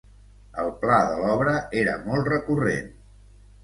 El pla de l'obra era molt recurrent.